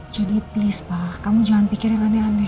jadi please pak kamu jangan pikir yang aneh aneh